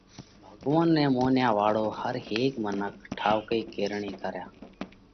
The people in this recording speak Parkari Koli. ڀڳوونَ نئہ مونيا واۯو هر هيڪ منک ٺائُوڪي ڪرڻي ڪريا